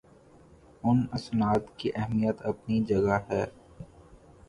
ان اسناد کی اہمیت اپنی جگہ ہے